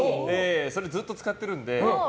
それ、ずっと使ってるので。